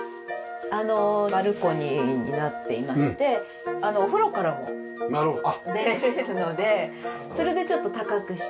バルコニーになっていましてお風呂からも出れるのでそれでちょっと高くして。